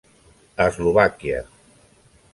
Eslovàquia.